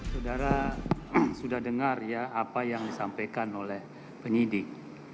saudara sudah dengar ya apa yang disampaikan oleh penyidik